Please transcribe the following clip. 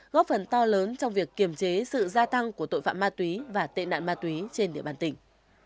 góp phần to lớn trong việc kiềm chế sự gia tăng của tội phạm ma túy và tệ nạn ma túy trên địa bàn tỉnh